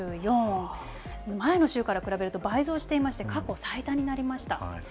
前の週から比べると、倍増していまして、過去最多になりました。